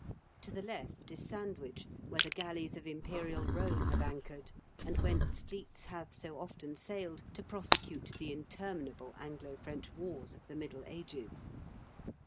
To the left is Sandwich, where the galleys of imperial Eome have anchored,' and whence fleets have so often sailed to prosecute the interminable Anglo French wars of the Middle Ages.